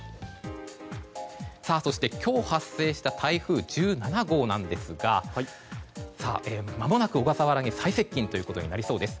そして、今日発生した台風１７号なんですがまもなく小笠原に最接近となりそうです。